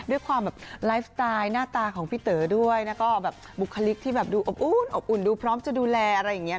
ด้วยความแบบไลฟ์สไตล์หน้าตาของพี่เต๋อด้วยแล้วก็แบบบุคลิกที่แบบดูอบอุ่นอบอุ่นดูพร้อมจะดูแลอะไรอย่างนี้